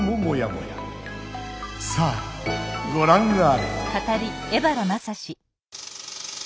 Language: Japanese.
さあごらんあれ！